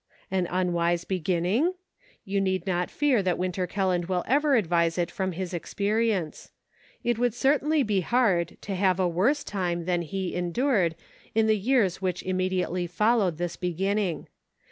An unwise beginning.'' You need not fear that Winter Kelland will ever advise it from his expe rience. It would certainly be hard to have a worse time than he endured in the years which immediately followed this beginning.